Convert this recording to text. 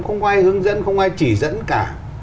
không ai hướng dẫn không ai chỉ dẫn cả